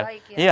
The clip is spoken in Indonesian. lebih baik ya